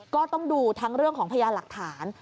ก็ต้องดูทั้งเรื่องของพยานหลักฐาน